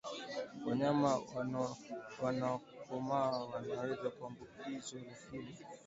Wanyama waliokomaa wanaweza kuambukizwa lakini